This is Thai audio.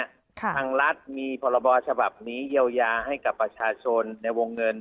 ทางรัฐมีพรบฉบับนี้เยียวยาให้กับประชาชนในวงเงิน